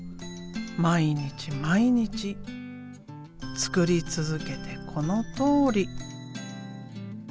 毎日毎日作り続けてこのとおり。